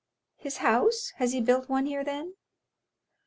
"His house? Has he built one here, then?"